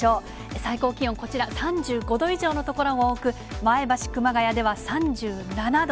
最高気温こちら、３５度以上の所が多く、前橋、熊谷では３７度。